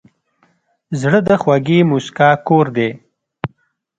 زړه د خوږې موسکا کور دی.